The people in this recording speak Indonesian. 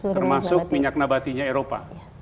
termasuk minyak nabatinya eropa